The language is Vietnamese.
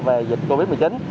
về dịch covid một mươi chín